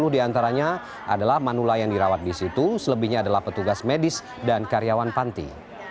sepuluh diantaranya adalah manula yang dirawat di situ selebihnya adalah petugas medis dan karyawan panti